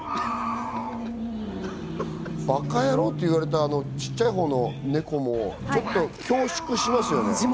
ばっかやろって言われた、ちっちゃいほうの猫もちょっと恐縮してますよね。